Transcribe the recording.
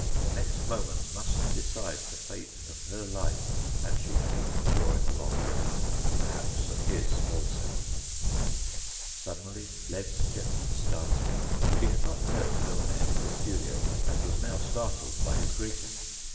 The next moments must decide the fate of her life, and she added, drawing a long breath, perhaps of his also. Suddenly Ledscha started. She had not heard Hermon enter the studio, and was now startled by his greeting.